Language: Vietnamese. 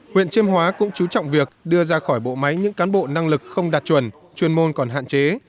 huyện chiêm hóa cũng chú trọng việc đưa ra khỏi bộ máy những cán bộ năng lực không đạt chuẩn chuyên môn còn hạn chế